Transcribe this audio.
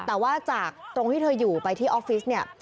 แต่ว่าจากตรงที่เธออยู่ไปที่ออฟฟิศเนี่ย